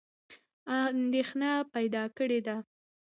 اندېښنه پیدا کړې ده.